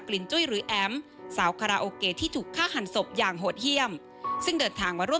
สงสารสายตาของน้องมากมั้ยคะ